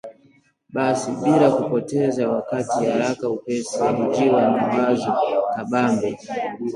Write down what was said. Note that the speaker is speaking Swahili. Basi bila kupoteza wakati, haraka upesi alijiwa na wazo kabambe